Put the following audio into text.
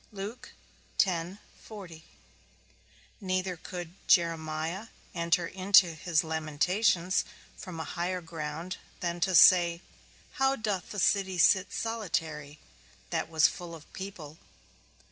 _ Neither could Jeremiah enter into his lamentations from a higher ground than to say, How doth the city sit solitary that was full of people.